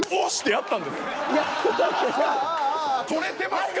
やった。